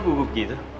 kok lo gugup gitu